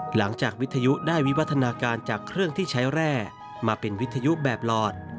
วิทยุได้วิวัฒนาการจากเครื่องที่ใช้แร่มาเป็นวิทยุแบบหลอด